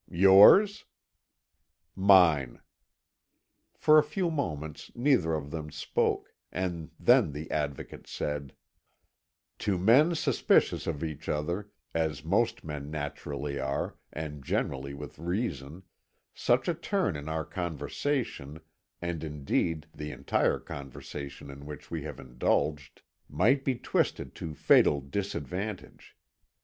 "Yours?" "Mine." For a few moments neither of them spoke, and then the Advocate said: "To men suspicious of each other as most men naturally are, and generally with reason such a turn in our conversation, and indeed the entire conversation in which we have indulged, might be twisted to fatal disadvantage.